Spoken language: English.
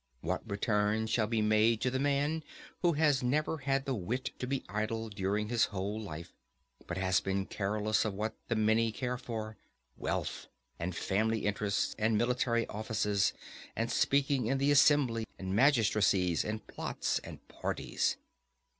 What return shall be made to the man who has never had the wit to be idle during his whole life; but has been careless of what the many care for—wealth, and family interests, and military offices, and speaking in the assembly, and magistracies, and plots, and parties.